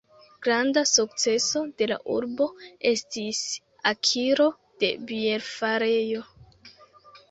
Granda sukceso de la urbo estis akiro de bierfarejo.